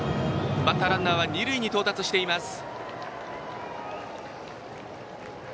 バッターランナーは二塁に到達しています。